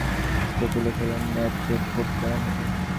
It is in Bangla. এরপর পরিষ্কার তুলা দিয়ে আস্তে আস্তে তুলে ফেলুন, এতে ঠোঁট কোমল হবে।